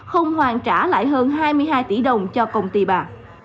không hoàn trả lại hơn hai mươi hai tỷ đồng cho công ty bà